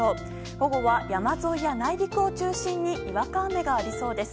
午後は山沿いや内陸を中心ににわか雨がありそうです。